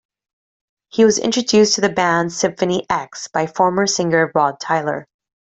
He was introduced to the band Symphony X by former singer Rod Tyler.